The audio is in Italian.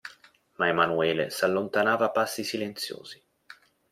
Ma Emanuele s'allontanava a passi silenziosi.